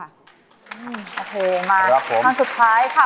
มาทางสุดท้ายค่ะ